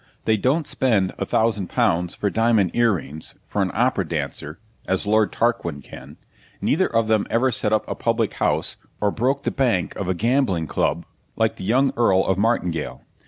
They don't spend a thousand pounds for diamond earrings for an Opera dancer, as Lord Tarquin can: neither of them ever set up a public house or broke the bank of a gambling club, like the young Earl of Martingale.